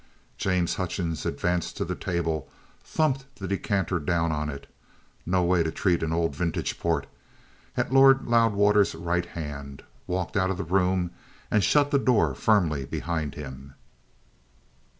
James Hutchings advanced to the table, thumped the decanter down on it no way to treat an old vintage port at Lord Loudwater's right hand, walked out of the room, and shut the door firmly behind him.